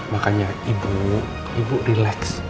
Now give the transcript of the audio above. makanya ibu ibu relax